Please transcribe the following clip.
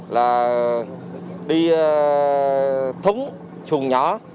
là đi thúng xuồng nhỏ